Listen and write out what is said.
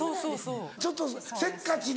ちょっとせっかちで。